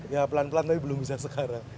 ya pelan pelan tapi belum bisa sekarang